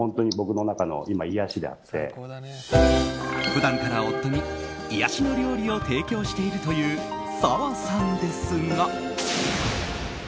普段から夫に癒やしの料理を提供しているという澤さんですが。